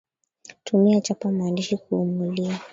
Tumia chapa mandashi Kuumulia